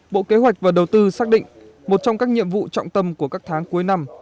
bộ kế hoạch và đầu tư xác định một trong các nhiệm vụ trọng tâm của các tháng cuối năm